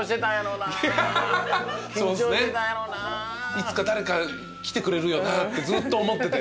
いつか誰か来てくれるよなってずっと思ってて。